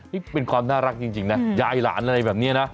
นี่เป็นความน่ารักจริงนะยายหลานอะไรแบบนี้นะ